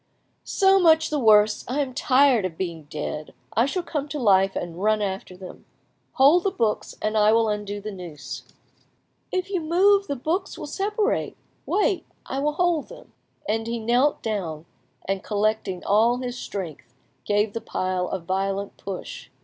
"So much the worse. I am tired of being dead; I shall come to life and run after them. Hold the books, and I will undo the noose." "If you move, the books will separate; wait, I will hold them." And he knelt down, and collecting all his strength, gave the pile a violent push.